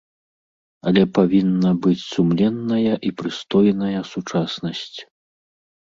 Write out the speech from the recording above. Але павінна быць сумленная і прыстойная сучаснасць.